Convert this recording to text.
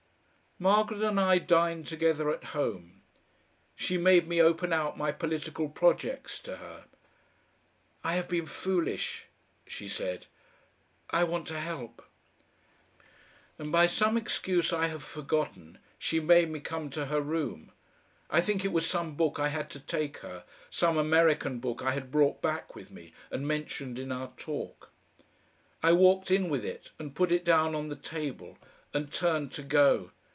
Margaret and I dined together at home. She made me open out my political projects to her. "I have been foolish," she said. "I want to help." And by some excuse I have forgotten she made me come to her room. I think it was some book I had to take her, some American book I had brought back with me, and mentioned in our talk. I walked in with it, and put it down on the table and turned to go.